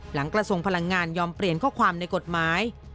กระทรวงพลังงานยอมเปลี่ยนข้อความในกฎหมาย